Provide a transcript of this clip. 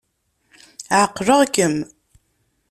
Ɛeqleɣ-kem.